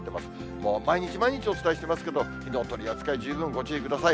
もう、毎日毎日お伝えしていますけど、火の取り扱い、十分お気をつけください。